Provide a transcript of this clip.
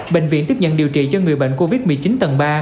bệnh viện tiếp nhận điều trị cho người bệnh covid một mươi chín tầng ba